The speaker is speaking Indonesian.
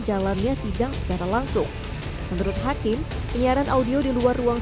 jalannya sidang secara langsung menurut hakim penyiaran audio di luar ruang